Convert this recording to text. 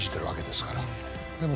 でも。